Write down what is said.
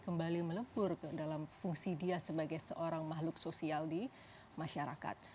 kembali melebur ke dalam fungsi dia sebagai seorang makhluk sosial di masyarakat